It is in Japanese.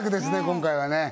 今回はね